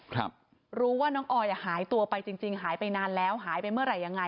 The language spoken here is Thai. ครับรู้ว่าน้องออยอ่ะหายตัวไปจริงจริงหายไปนานแล้วหายไปเมื่อไหร่ยังไง